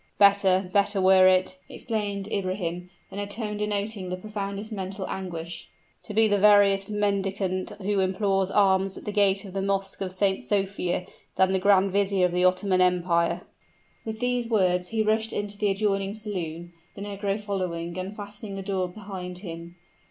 "Better better were it," exclaimed Ibrahim, in a tone denoting the profoundest mental anguish, "to be the veriest mendicant who implores alms at the gate of the mosque of St. Sophia, than the grand vizier of the Ottoman Empire." With these words he rushed into the adjoining saloon, the negro following and fastening the door behind him.